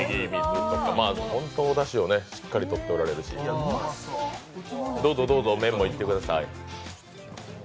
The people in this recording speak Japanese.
本当、おだしをしっかり取っておられるし、どうぞ麺もいってください。